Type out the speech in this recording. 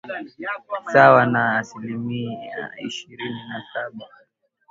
sawa na asilimia ishirini na saba